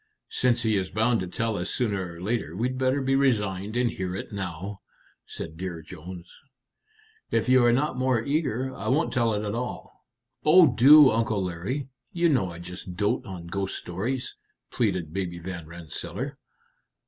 "Since he is bound to tell us sooner or later, we'd better be resigned and hear it now," said Dear Jones. "If you are not more eager, I won't tell it at all." "Oh, do, Uncle Larry! you know I just dote on ghost stories," pleaded Baby Van Rensselaer.